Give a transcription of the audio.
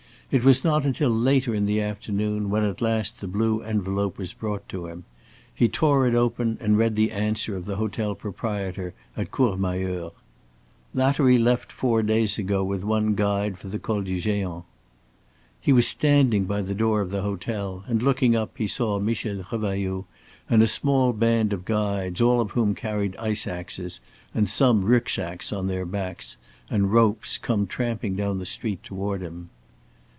It was not until later in the afternoon when at last the blue envelope was brought to him. He tore it open and read the answer of the hotel proprietor at Courmayeur: "Lattery left four days ago with one guide for Col du Géant." He was standing by the door of the hotel, and looking up he saw Michel Revailloud and a small band of guides, all of whom carried ice axes and some Rücksacks on their backs, and ropes, come tramping down the street toward him.